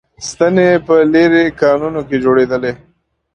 ستنې په لېرې کانونو کې جوړېدلې